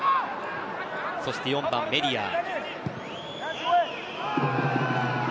そして４番、メリアー。